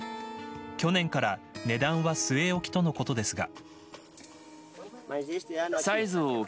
去年から値段は据え置きとのことですが。